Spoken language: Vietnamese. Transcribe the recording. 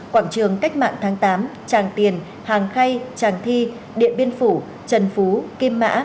quảng trường cách mạng tháng tám tràng tiền hàng khay tràng thi điện biên phủ trần phú kim mã